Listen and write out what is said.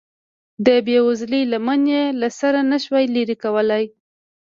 د بې وزلۍ لمن یې له سره نشوه لرې کولی.